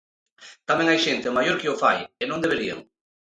Tamén hai xente maior que o fai, e non deberían.